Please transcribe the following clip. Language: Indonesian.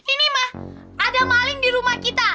ini mah ada maling di rumah kita